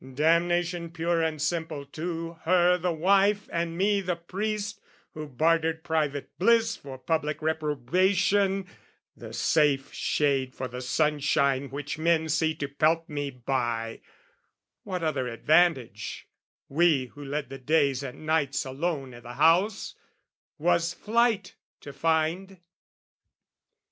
Damnation pure and simple to her the wife And me the priest who bartered private bliss For public reprobation, the safe shade For the sunshine which men see to pelt me by: What other advantage, we who led the days And nights alone i' the house, was flight to find?